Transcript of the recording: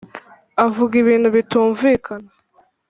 avuga ibintu bitumvikana